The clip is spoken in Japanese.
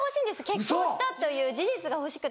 結婚したという事実が欲しくて。